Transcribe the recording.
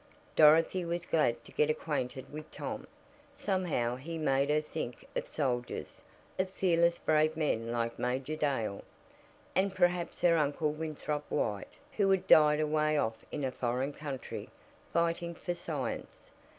Dorothy was glad to get acquainted with Tom. Somehow he made her think of soldiers, of fearless brave men like Major Dale, and perhaps her Uncle Winthrop White, who had died away off in a foreign country, fighting for science.